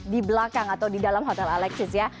di belakang atau di dalam hotel alexis ya